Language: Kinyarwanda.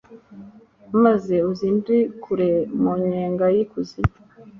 maze unzikure mu nyenga y'ikuzimu